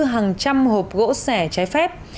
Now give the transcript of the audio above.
hàng trăm hộp gỗ sẻ trái phép